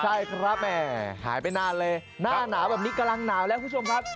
ใช่ครับแม่หายไปนานเลยหน้าหนาวแบบนี้กำลังหนาวแล้วคุณผู้ชมครับ